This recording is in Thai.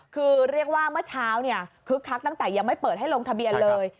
คือเรียกว่าเมื่อเช้าเนี่ยคึกคักตั้งแต่ยังไม่เปิดให้ลงทะเบียนเลย